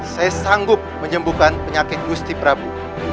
saya sanggup menyembuhkan penyakit gusti prabu